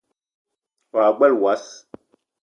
Wa gbele wass